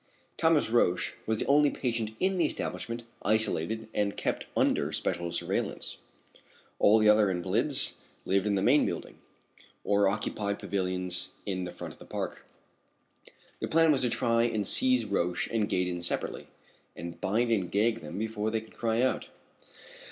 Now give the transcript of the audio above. Thomas Roch was the only patient in the establishment isolated and kept under special surveillance. All the other invalids lived in the main building, or occupied pavilions in the front of the park. The plan was to try and seize Roch and Gaydon separately and bind and gag them before they could cry out.